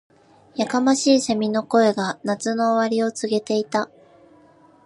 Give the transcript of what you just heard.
•やかましい蝉の声が、夏の終わりを告げていた。